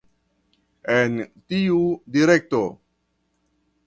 En tiu direkto.